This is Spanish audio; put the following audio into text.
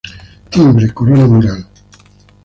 Timbre: Corona mural.